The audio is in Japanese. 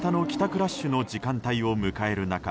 ラッシュの時間帯を迎える中